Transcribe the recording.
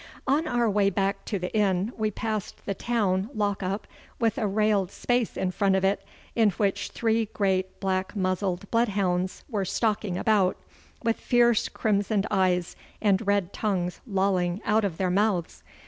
On our way back to the inn we passed the town lock up, with a railed space in front of it, in which three great black muzzled bloodhounds were stalking about, with fierce crimsoned eyes and red tongues lolling out of their mouths.